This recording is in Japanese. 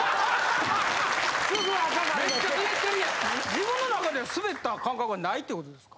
自分の中ではスベった感覚はないってことですか？